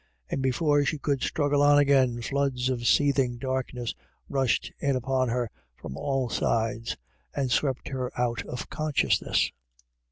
And before she could struggle on again, floods of seething darkness rushed in upon her from all sides, and swept her out of consciousness.